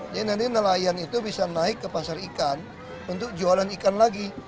jadi nanti nelayan itu bisa naik ke pasar ikan untuk jualan ikan lagi